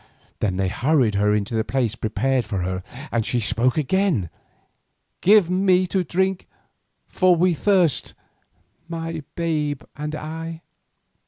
Then they hurried her into the place prepared for her and she spoke again: "Give me to drink, for we thirst, my babe and I!"